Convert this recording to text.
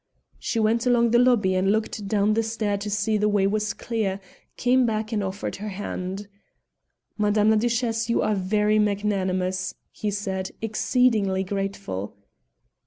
She went along the lobby and looked down the stair to see that the way was clear; came back and offered her hand. "Madame la Duchesse, you are very magnanimous," he said, exceedingly grateful.